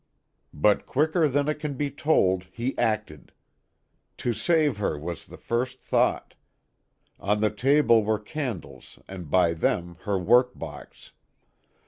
But quicker than it can be told he acted. To save her was the first thought. On the table were candles and by them her work box.